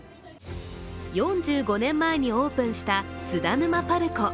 ４５年前にオープンした津田沼パルコ。